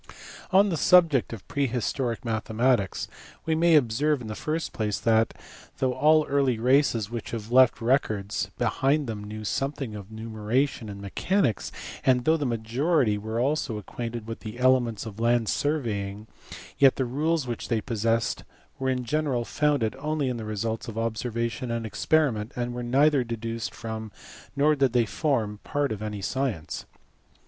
On the subject of pre historic mathematics, we may observe le first place that, though all early races which have left B. 1 2 EGYPTIAN AND PHOENICIAN MATHEMATICS. records behind them knew something of numeration and mechanics, and though the majority were also acquainted with the elements of land surveying, yet the rules which they possessed were in general founded only on the results of observation and experiment, and were neither deduced from nor did they form part of any science.